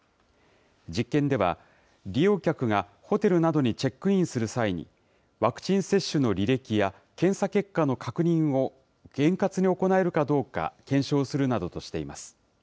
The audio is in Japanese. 実験では、利用客がホテルなどにチェックインする際に、ワクチン接種の履歴や、検査結果の確認を円滑に行えるかどうか検証するなどとしています。